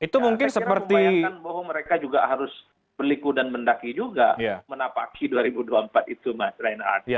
saya kira membayangkan bahwa mereka juga harus peliku dan mendaki juga menapaki dua ribu dua puluh empat itu mas reina ard